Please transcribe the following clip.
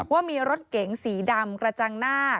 ว่ามีรถเก๋งสีดำกระจังหน้า